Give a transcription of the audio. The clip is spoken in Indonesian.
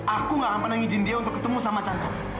aku nggak akan mengizinkan dia untuk ketemu sama cantik